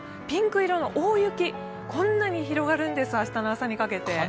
ピンク色の大雪、こんなに広がるんです、明日の朝にかけて。